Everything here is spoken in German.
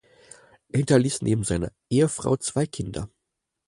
Er hinterließ neben seiner Ehefrau zwei Kinder.